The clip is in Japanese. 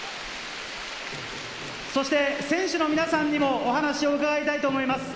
選手の皆さんにもお話を伺いたいと思います。